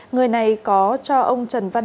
người này có cho ông trần văn nông